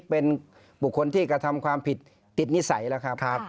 เป็นบุคคลที่กระทำความผิดติดนิสัยแล้วครับ